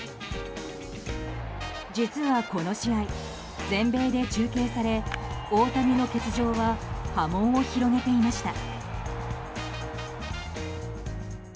実は、この試合全米で中継され大谷の欠場は波紋を広げていました。